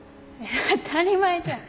当たり前じゃん。